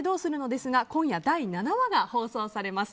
ですが今夜、第７話が放送されます。